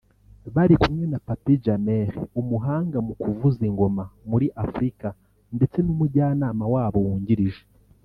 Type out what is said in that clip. Bari kumwe na Papi Jameh umuhanga mu kuvuza ngoma muri Afurika ndetse n’umujyanama wabo wungirije